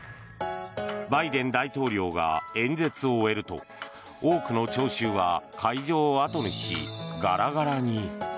バイデン大統領が演説を終えると多くの聴衆は会場を後にしガラガラに。